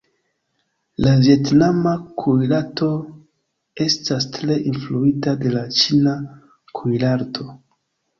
La vjetnama kuirarto estas tre influita de la ĉina kuirarto.